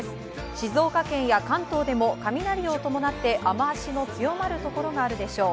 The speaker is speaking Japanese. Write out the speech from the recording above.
静岡県や関東でも雷を伴って雨脚の強まるところがあるでしょう。